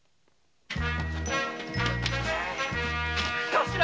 頭